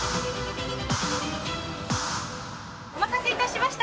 お待たせ致しました。